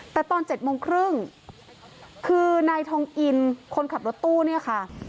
แต่ตอน๗โมงครึ่งคือนายทองอินคนขับรถตู้เนี่ยค่ะ